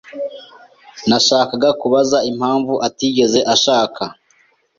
Nashakaga kubaza impamvu atigeze ashaka.